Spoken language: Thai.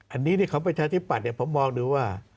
อันนี้นี่ของประชาธิปัตย์เนี่ยผมมองดูว่า